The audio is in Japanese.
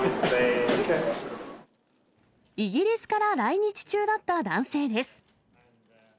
イギリスから来日中だった男性です。